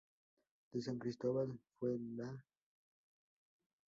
De San Cristóbal fue la Lic.